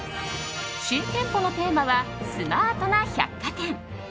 新店舗のテーマは「Ｓｍａｒｔな百貨店」。